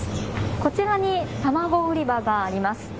こちらに卵売り場があります。